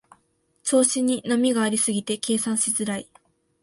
調子に波がありすぎて計算しづらい